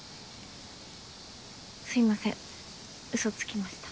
すいませんうそつきました。